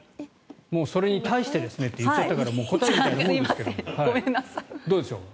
それに対してですねと言っちゃったからもう答えみたいなものなんですがどうでしょう。